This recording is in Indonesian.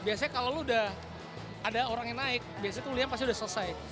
biasanya kalau lu udah ada orang yang naik biasanya tuh liam pasti udah selesai